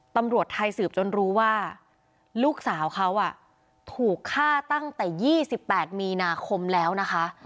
ตำรวจไทยสืบจนรู้ว่าลูกสาวเขาถูกฆ่าตั้งแต่๒๘มีนาคมแล้วนะคะ